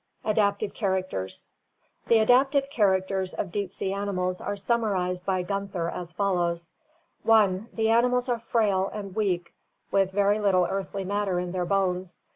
Adaptive Characters. — The adaptive characters of deep sea animals are summarized by Gunther as follows: 1. The animals are frail and weaky with very little earthy matter in their bones.